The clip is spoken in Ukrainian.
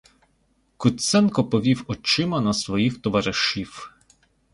Куценко повів очима на своїх товаришів.